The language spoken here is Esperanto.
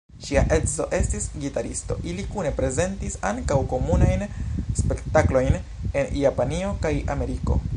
Ŝia edzo estis gitaristo, ili kune prezentis ankaŭ komunajn spektaklojn en Japanio kaj Ameriko.